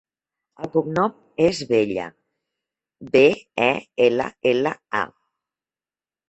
El cognom és Bella: be, e, ela, ela, a.